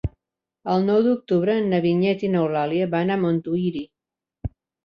El nou d'octubre na Vinyet i n'Eulàlia van a Montuïri.